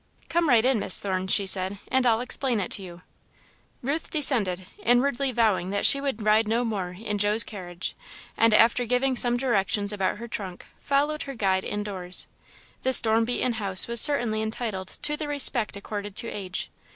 "Come right in, Miss Thorne," she said, "and I'll explain it to you." Ruth descended, inwardly vowing that she would ride no more in Joe's carriage, and after giving some directions about her trunk, followed her guide indoors. The storm beaten house was certainly entitled to the respect accorded to age.